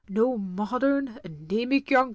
No modem, anaemic young wonM.